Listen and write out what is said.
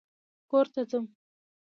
کور ته ځم